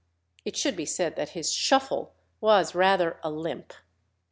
It should be said that his "shuffle" was rather a "limp."